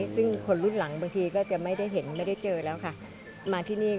ซึ่งคนรุ่นหลังบางทีก็จะไม่ได้เห็นไม่ได้เจอแล้วค่ะมาที่นี่